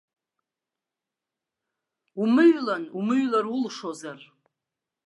Умыҩлан, умыҩлар улшозар.